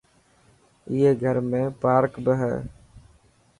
اي گھر ۾ پارڪ به هي.